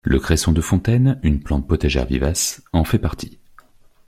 Le cresson de fontaine, une plante potagère vivace, en fait partie.